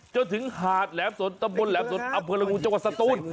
จนถึงหาดแหลมสนตำบลแหลมสนอำเภอละงูจังหวัดสตูน